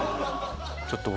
ちょっと僕